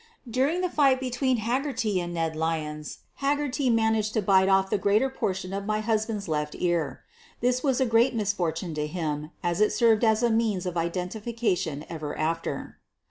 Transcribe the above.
During the fight be tween Haggerty and Ned Lyons Haggerty managed to bite off the greater portion of my husband's left 18 SOPHIE LYONS ear. This was a great misfortune to him as it served as a means of identification ever after.